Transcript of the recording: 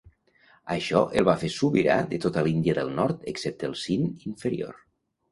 Això el va fer sobirà de tota l'Índia del Nord excepte el Sind inferior.